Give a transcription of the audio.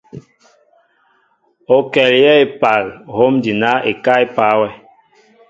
O kɛl yɛɛ epal hom adina ekáá epa wɛ.